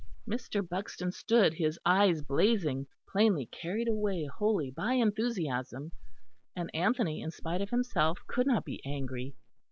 Mr. Buxton stood, his eyes blazing, plainly carried away wholly by enthusiasm; and Anthony, in spite of himself, could not be angry.